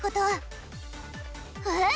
えっ？